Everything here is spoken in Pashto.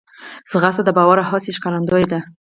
ځغاسته د باور او هڅې ښکارندوی ده